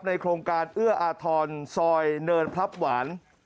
โครงการเอื้ออาทรซอยเนินพลับหวาน